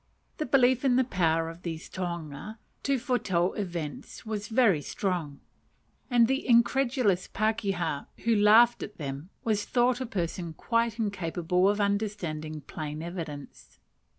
The belief in the power of these tohunga to foretell events was very strong, and the incredulous pakeha who laughed at them was thought a person quite incapable of understanding plain evidence.